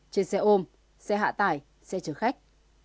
trên xe ôm xe hạ tải xe chở khách